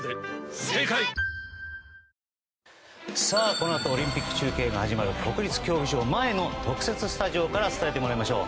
このあとオリンピック中継が始まる国立競技場前の特設スタジオから伝えてもらいましょう。